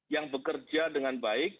yang bekerja dengan baik